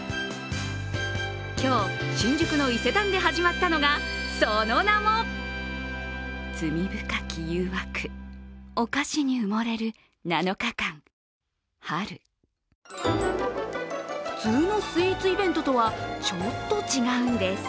今日新宿の伊勢丹で始まったのが、その名も普通のスイーツイベントとはちょっと違うんです。